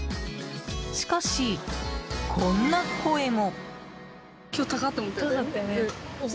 しかし、こんな声も。